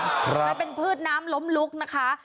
มันเป็นพืชน้ำล้มลุกนะคะ